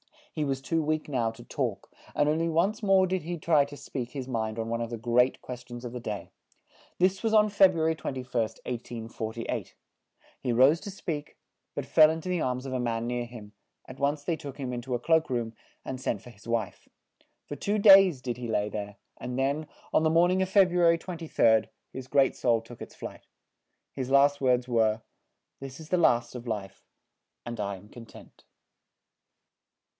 He was too weak now to talk, and on ly once more did he try to speak his mind on one of the great ques tions of the day. This was on Feb ru a ry 21st, 1848. He rose to speak, but fell in to the arms of a man near him; at once they took him in to a cloak room, and sent for his wife. For two days did he lay there, and then, on the morn ing of Feb ru a ry 23d, his great soul took its flight. His last words were: "This is the last of life, and I am con tent."